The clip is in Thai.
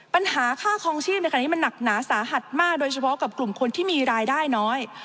ปัญหาค่าคลองชีพในขณะนี้มันหนักหนาสาหัสมากโดยเฉพาะกับกลุ่มคนที่มีรายได้น้อย